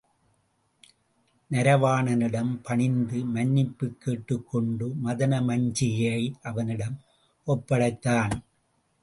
நரவாணனிடம் பணிந்து மன்னிப்புக் கேட்டுக் கொண்டு மதனமஞ்சிகையை அவனிடம் ஒப்படைத்தான்.